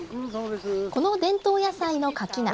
この伝統野菜のかき菜